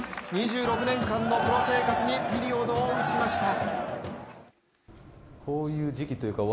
２６年間のプロ生活にピリオドを打ちました。